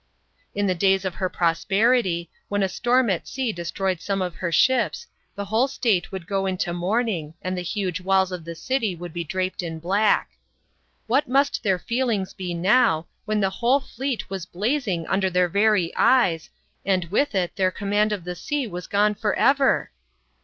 In the days of her pros* perity, when a storm at sea destroyed some of her ships, the whole State would go into mourning, and the huge, walls of the city woulcl be draped in bkdb B.C. 202.] THE FALL OF CARTHAGE. 173 What must their feelings be now, when the whole fleet was blazing under their very eyes, and with it their command of the sea was gone for ever